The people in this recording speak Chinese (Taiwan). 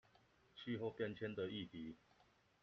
氣候變遷的議題